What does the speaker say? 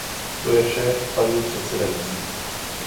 To je vše, paní předsedající.